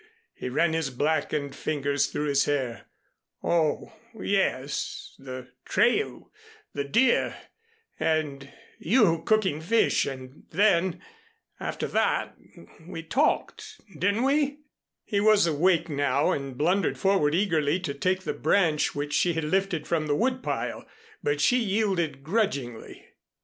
He ran his blackened fingers through his hair. "Oh, yes, the trail the deer and you cooking fish and then after that we talked, didn't we?" He was awake now, and blundered forward eagerly to take the branch which she had lifted from the wood pile. But she yielded grudgingly.